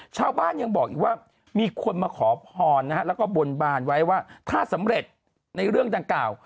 ชาวบ้านยังบอกอีกว่ามีคนมาขอพรนะฮะแล้วก็บนบานไว้ว่าถ้าสำเร็จในเรื่องดังกล่าว